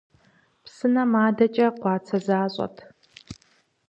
Псынэм адэкӀэ къуацэ защӀэт.